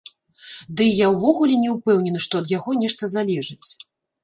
Дый я ўвогуле не ўпэўнены, што ад яго нешта залежыць.